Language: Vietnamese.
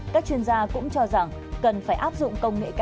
các chuyên gia cũng cho rằng cần phải áp dụng